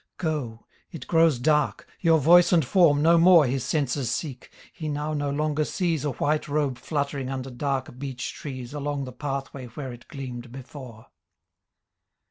Go ! It grows dark — your voice and form no more His senses seek ; he now no longer sees A white robe fluttering under dark beech trees Along the pathway where it gleamed before.